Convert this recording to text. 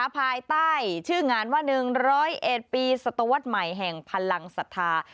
ภายใต้ชื่องานว่า๑๐๑ปีศตวรรษใหม่แห่งพลังศรัทธา